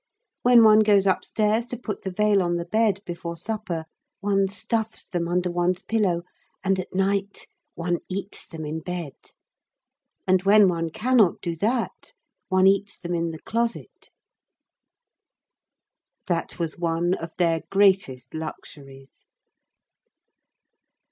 When one goes upstairs to put the veil on the bed before supper, one stuffs them under one's pillow and at night one eats them in bed, and when one cannot do that, one eats them in the closet." That was one of their greatest luxuries.